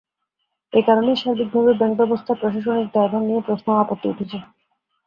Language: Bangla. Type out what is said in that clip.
এ কারণেই সার্বিকভাবে ব্যাংকব্যবস্থার প্রশাসনিক দায়ভার নিয়ে প্রশ্ন ও আপত্তি উঠেছে।